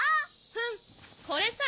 フンこれさ！